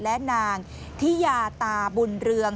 และนางทิยาตาบุญเรือง